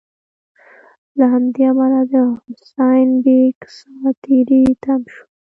له همدې امله د حسین بېګ سا تری تم شوه.